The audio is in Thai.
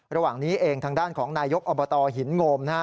ระหว่างนี้เองทางด้านของนายกอบตหินโงมนะฮะ